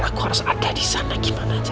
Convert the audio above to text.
aku harus ada disana gimana aja